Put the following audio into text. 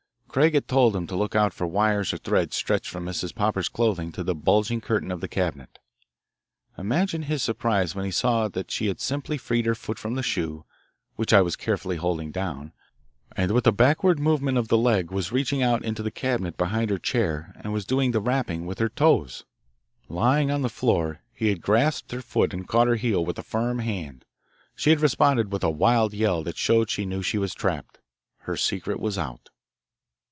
Craig had told him to look out for wires or threads stretched from Mrs. Popper's clothing to the bulging curtain of the cabinet. Imagine his surprise when he saw that she had simply freed her foot from the shoe, which I was carefully holding down, and with a backward movement of the leg was reaching out into the cabinet behind her chair and was doing the rapping with her toes. Lying on the floor he had grasped her foot and caught her heel with a firm hand. She had responded with a wild yell that showed she knew she was trapped. Her secret was out.